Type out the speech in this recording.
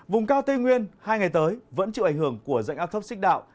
vùng cao tây nguyên hai ngày tới vẫn chịu ảnh hưởng của dạnh áp thấp xích đạo